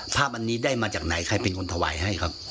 ภาพอันนี้ได้มาจากไหนใครเป็นคนถวายให้ครับ